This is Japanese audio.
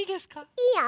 いいよ！